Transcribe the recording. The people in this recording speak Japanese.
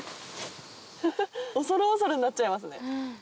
恐る恐るになっちゃいますね。